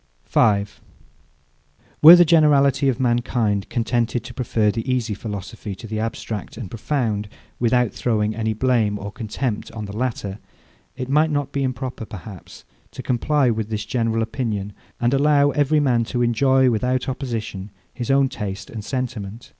5. Were the generality of mankind contented to prefer the easy philosophy to the abstract and profound, without throwing any blame or contempt on the latter, it might not be improper, perhaps, to comply with this general opinion, and allow every man to enjoy, without opposition, his own taste and sentiment.